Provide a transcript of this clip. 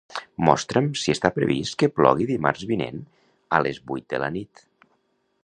Mostra'm si està previst que plogui dimarts vinent a les vuit de la nit.